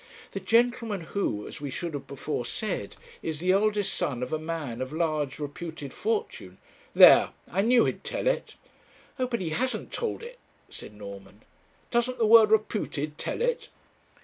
'The gentleman, who, as we should have before said, is the eldest son of a man of large reputed fortune ' 'There I knew he'd tell it.' 'Oh, but he hasn't told it,' said Norman. 'Doesn't the word 'reputed' tell it?'